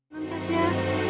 nun kasia ya